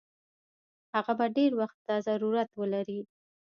هغه به ډېر وخت ته ضرورت ولري.